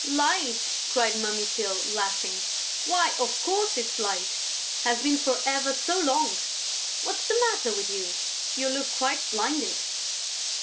"Light!" cried Mummy Tyl, laughing. "Why, of course, it's light.... Has been for ever so long!... What's the matter with you?... You look quite blinded...."